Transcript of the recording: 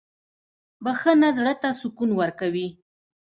• بخښنه زړه ته سکون ورکوي.